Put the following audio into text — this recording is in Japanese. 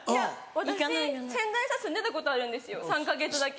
私仙台さ住んでたことあるんですよ３か月だけ。